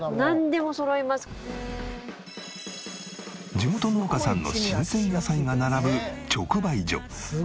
地元農家さんの新鮮野菜が並ぶ直売所。